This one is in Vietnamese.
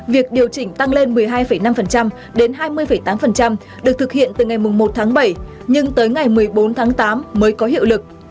việc điều chỉnh tăng lên một mươi hai năm đến hai mươi tám được thực hiện từ ngày một tháng bảy nhưng tới ngày một mươi bốn tháng tám mới có hiệu lực